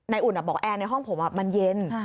อุ่นบอกแอร์ในห้องผมมันเย็น